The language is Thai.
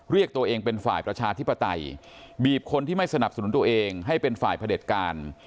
เรียกตัวเองเป็นฝ่ายประชาธิปไตยบีบคนที่ไม่สนับสนุนตัวเองให้เป็นฝ่ายพระเด็จการ